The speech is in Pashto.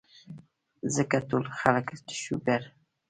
ځکه ټول خلک د شوګر ،